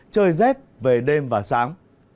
trời rét về đêm và sáng